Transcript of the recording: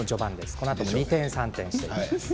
このあと二転三転していきます。